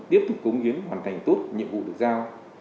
tiếp tục cống hiến hoàn thành tốt nhiệm vụ được giao